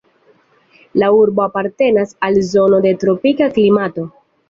La urbo apartenas al zono de tropika klimato.